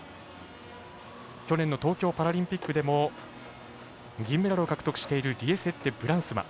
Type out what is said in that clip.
去年の東京パラリンピックでも銀メダルを獲得しているリエセッテ・ブランスマ。